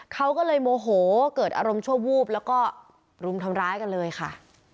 เขาก็เลยโมโหเกิดอารมณ์ชั่ววูบแล้วก็รุมทำร้ายกันเลยค่ะ